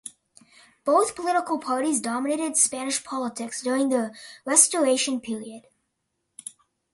Both political parties dominated Spanish politics during the Restoration period.